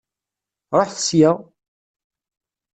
Ṛuḥet sya!